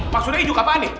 maksudnya ijuk apaan nih